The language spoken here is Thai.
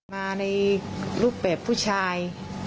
มาในรูปแบบผู้ชาย